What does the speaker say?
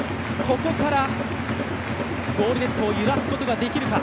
ここから、ゴールネットを揺らすことができるか。